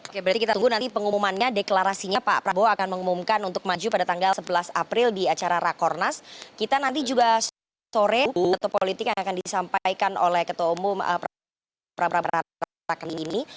oke berarti kita tunggu nanti pengumumannya deklarasinya pak prabowo akan mengumumkan untuk maju pada tanggal sebelas april di acara rakornas kita nanti juga sore atau politik yang akan disampaikan oleh ketua umum pra pratali ini